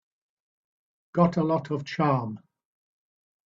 Got a lot of charm.